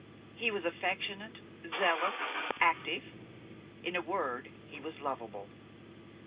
He was affectionate, zealous, active, in a word, he was lovable.